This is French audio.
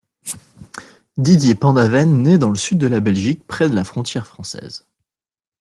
Didier Paindaveine naît dans le sud de la Belgique près de la frontière française.